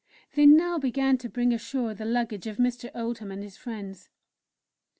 They now began to bring ashore the luggage of Mr. Oldham and his friends.